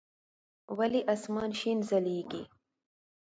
ولي اسمان شين ځليږي؟